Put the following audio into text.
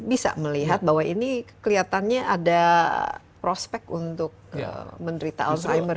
bisa melihat bahwa ini kelihatannya ada prospek untuk menderita alzheimer